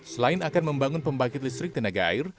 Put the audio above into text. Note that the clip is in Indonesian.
selain akan membangun pembangkit listrik tenaga air